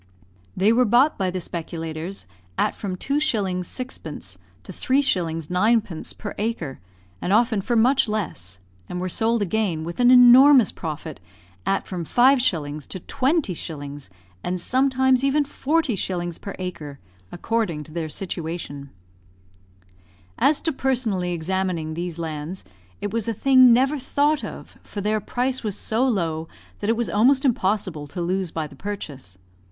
They were bought by the speculators at from 2s. 6d. to 3s. 9d. per acre, and often for much less, and were sold again, with an enormous profit, at from 5s. to 20s., and sometimes even 40s. per acre, according to their situation. As to personally examining these lands, it was a thing never thought of, for their price was so low that it was almost impossible to lose by the purchase.